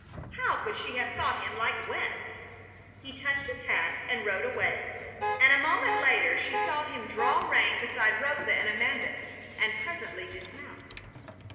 How could she have thought him like West? He touched his hat and rode away, and a moment later she saw him draw rein beside Rosa and Amanda, and presently dismount.